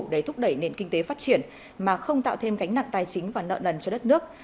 để thúc đẩy nền kinh tế phát triển mà không tạo thêm gánh nặng tài chính và nợ nần cho đất nước